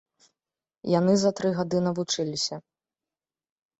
Яны за тры гады навучыліся.